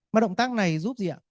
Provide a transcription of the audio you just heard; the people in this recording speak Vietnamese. mà động tác này giúp gì ạ